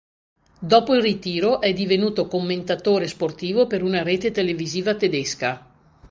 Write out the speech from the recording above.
Dopo il ritiro è divenuto commentatore sportivo per una rete televisiva tedesca.